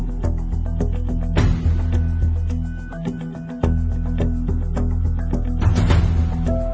โรคทในโธรม